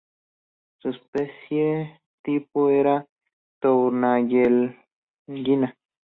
Su especie tipo era "Tournayellina?